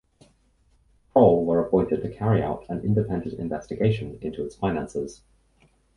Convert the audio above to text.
Kroll were appointed to carry out an independent investigation into its finances.